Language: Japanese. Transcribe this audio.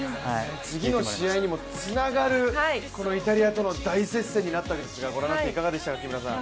次の試合にもつながる、イタリアとの大接戦になったわけですが、ご覧になっていかがでしたか。